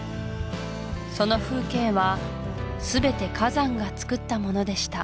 その風景はすべて火山がつくったものでした